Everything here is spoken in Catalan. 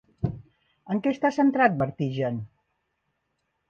En què està centrat Vertigen?